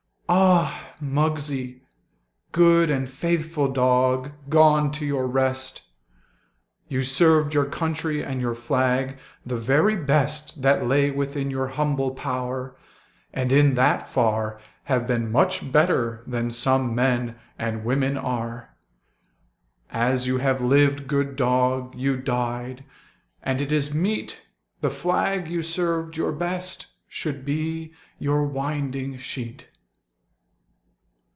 Ah, Muggsie, good and faithful dog, Gone to your rest! You served your country and your flag The very best That lay within your humble power, And in that far Have been much better than some men And women are. As you had lived, good dog, you died, And it is meet The flag you served your best should be Your winding sheet.